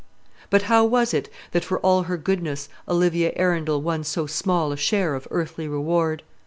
But how was it that, for all her goodness, Olivia Arundel won so small a share of earthly reward?